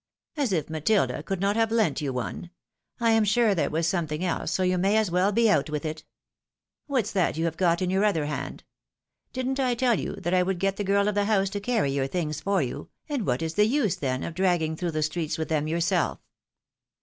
"As if Matilda could not have lent you one ; I am sure there was something else, so you may as well out with it. ATTEMPT AT SMUGGLING DEFEATED. 237 What's that you have got in your other hand ? Didn't I tell you that I would get the girl of the house to carry your things for you, and what is the use, then, of dragging through the streets with them yourself?